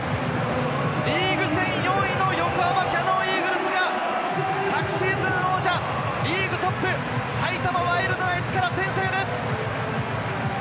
リーグ戦４位の横浜キヤノンイーグルスが、昨シーズンの王者リーグトップ、埼玉ワイルドナイツから先制です！